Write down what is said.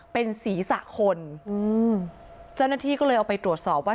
เป็นศีรษะคนอืมเจ้าหน้าที่ก็เลยเอาไปตรวจสอบว่า